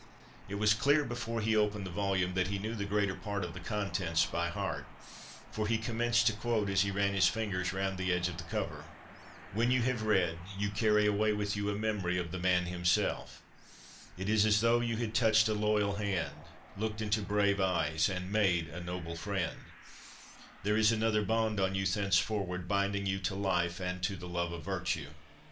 It was clear, before he opened the volume, that he knew the greater part of the contents by heart ; for he commenced to quote as he ran his fingers round the edge of the cover :'" When you have read, you carry away with you a memory of the man himself ; it is as though you had touched a loyal hand, looked into brave eyes, and made a noble friend ; there is another bond on you thenceforward, binding you to life and to the love of virtue."